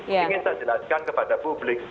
ingin saya jelaskan kepada publik